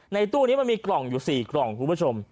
ตู้นี้มันมีกล่องอยู่๔กล่องคุณผู้ชม